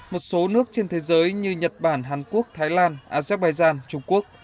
một số nước trên thế giới như nhật bản hàn quốc thái lan azerbaijan trung quốc